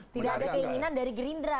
tidak ada keinginan dari gerindra